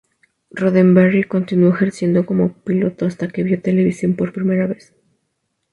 Roddenberry continuó ejerciendo como piloto hasta que vio televisión por primera vez.